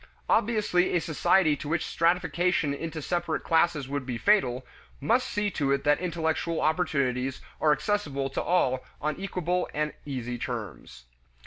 Obviously a society to which stratification into separate classes would be fatal, must see to it that intellectual opportunities are accessible to all on equable and easy terms.